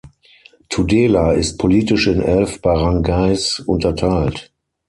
Tudela ist politisch in elf Baranggays unterteilt.